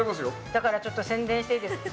だから、ちょっと宣伝していいですか。